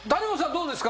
どうですか？